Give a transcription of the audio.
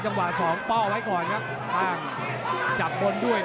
กาดเกมสีแดงเดินแบ่งมูธรุด้วย